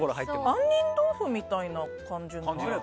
杏仁豆腐みたいな感じ。